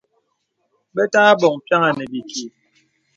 Bə̀ tə̀ abɔ̀ŋ pyàŋà nə̀ bìkì.